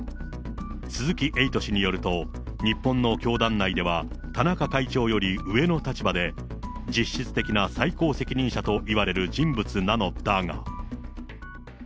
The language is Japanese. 鈴木エイト氏によると、日本の教団内では、田中会長より上の立場で、実質的な最高責任者と言われる人物なのだが。